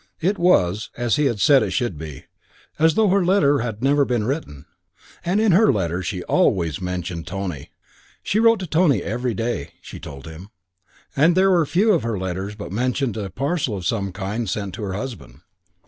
It was, as he had said it should be, as though her letter had never been written. And in her letters she always mentioned Tony. She wrote to Tony every day, she told him; and there were few of her letters but mentioned a parcel of some kind sent to her husband.